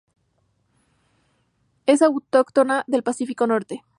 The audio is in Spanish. Es autóctona del Pacífico norte.